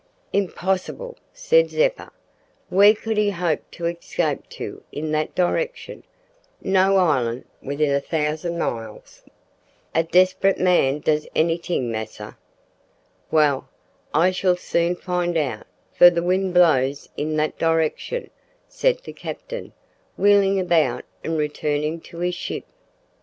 "Impossible," said Zeppa. "Where could he hope to escape to in that direction no island within a thousand miles?" "A desprit man doos anyt'ing, massa." "Well. I shall soon find out, for the wind blows in that direction," said the captain, wheeling about and returning to his ship.